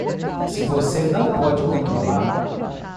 Se você não pode controlar